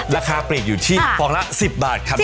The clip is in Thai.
ราคาปลีกอยู่ที่ฟองละ๑๐บาทครับ